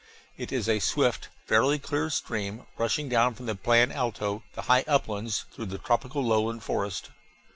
It is a swift, fairly clear stream, rushing down from the Plan Alto, the high uplands, through the tropical lowland forest.